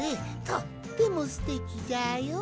とってもすてきじゃよ！